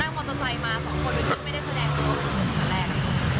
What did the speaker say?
แต่ก็ไม่ได้แสดงว่ามันเป็นมอเตอร์ไซค์แรก